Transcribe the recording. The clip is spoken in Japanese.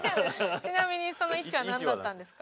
ちなみにその１はなんだったんですか？